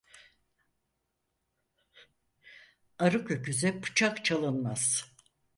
Arık öküze bıçak çalınmaz.